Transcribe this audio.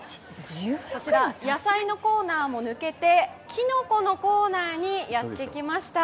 こちら、野菜のコーナーも抜けてきのこのコーナーにやってきました。